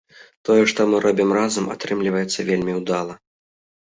Тое, што мы робім разам, атрымліваецца вельмі ўдала.